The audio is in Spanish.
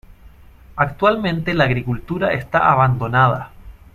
Actualmente la agricultura esta abandonada.